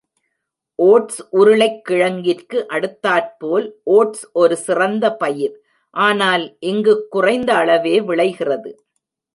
Oats உருளைக் கிழங்கிற்கு அடுத்தாற்போல் ஓட்ஸ் ஒரு சிறந்த பயிர், ஆனால் இங்குக் குறைந்த அளவே விளைகிறது.